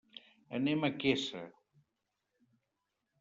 Anem a Quesa.